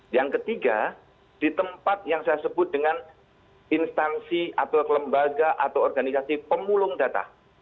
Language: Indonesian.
yang ketiga di tempat yang saya sebut dengan instansi atau kelembaga atau organisasi pemulung data